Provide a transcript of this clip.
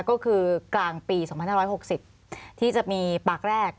ก็คือกลางปี๒๕๖๐ที่จะมีปากแรก